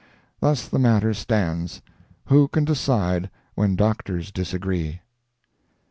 Thus the matter stands. Who can decide when Doctors disagree?